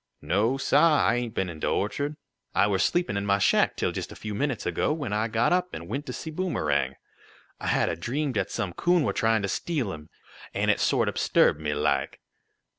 "No, sah, I ain't been in de orchard. I were sleepin' in mah shack, till jest a few minutes ago, when I got up, an' went in t' see Boomerang. I had a dream dat some coon were tryin t' steal him, an' it sort ob 'sturbed me, laik."